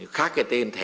khác cái tên thẻ